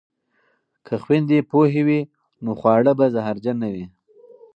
که خویندې پوهې وي نو خواړه به زهرجن نه وي.